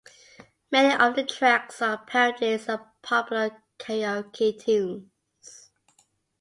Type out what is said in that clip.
Many of the tracks are parodies of popular karaoke tunes.